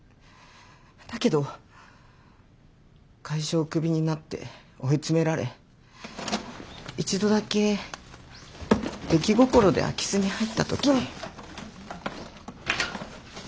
だけど会社をクビになって追い詰められ一度だけ出来心で空き巣に入った時。